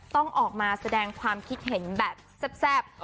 ต้องออกมาแสดงความคิดเห็นแบบแซ่บ